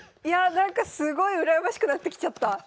いやなんかすごい羨ましくなってきちゃった。